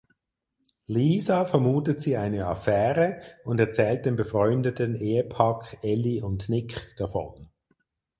Lisa vermutet sie eine Affäre und erzählt dem befreundeten Ehepaar Ellie und Nick davon.